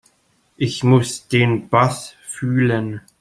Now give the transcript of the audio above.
Ich muss den Bass fühlen.